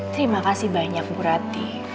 terima kasih banyak bu rati